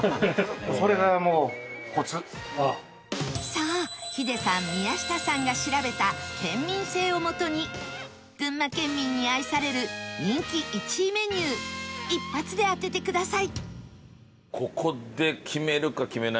さあヒデさん宮下さんが調べた県民性をもとに群馬県民に愛される人気１位メニュー一発で当ててください